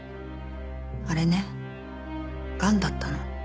あれねがんだったの。